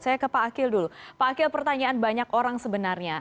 saya ke pak akil dulu pak akil pertanyaan banyak orang sebenarnya